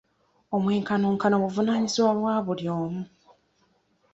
Omwenkanonkano buvunaanyizibwa bwa buli omu.